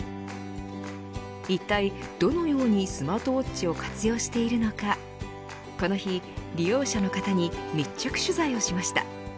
いったい、どのようにスマートウォッチを活用しているのかこの日、利用者の方に密着取材をしました。